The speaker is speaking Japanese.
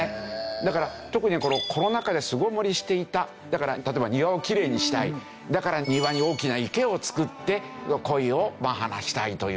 だから特にこのコロナ禍で巣ごもりしていただから例えば庭をきれいにしたいだから庭に大きな池を作って鯉を放したいという。